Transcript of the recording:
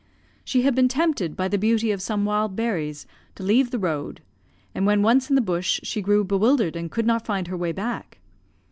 "She had been tempted by the beauty of some wild berries to leave the road, and when once in the bush she grew bewildered and could not find her way back.